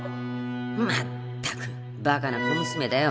まったくバカな小娘だよ。